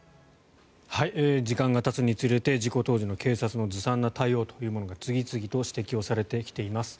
時間がたつにつれて事故当時の警察のずさんな対応というのが次々と指摘をされてきています。